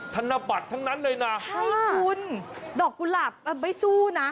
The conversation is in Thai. ธนบัตรทั้งนั้นเลยนะใช่คุณดอกกุหลาบไม่สู้นะ